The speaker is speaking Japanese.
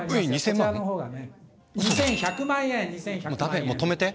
ダメもう止めて！